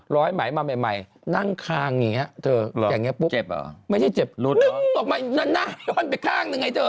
ล้อยไหมมาใหม่นั่งคางอย่างนี้เจ้อแบบนี้ปุ๊บไม่ใช่เจ็บนึงออกมานั่นไปข้างเจ้อ